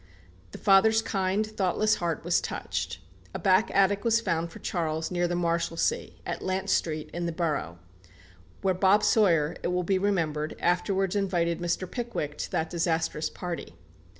The father's kind, thoughtless heart was touched. A back attic was found for Charles near the Marshalsea, at Lant Street, in the Borough where Bob Sawyer, it will be remembered, afterwards invited Mr. Pickwick to that disastrous party.